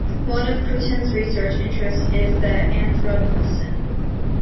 One of Crutzen's research interests is the Anthropocene.